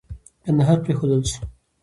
کندهار پرېښودل سو.